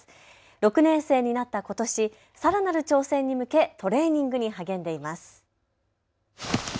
６年生になったことし、さらなる挑戦に向けトレーニングに励んでいます。